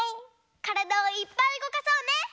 からだをいっぱいうごかそうね！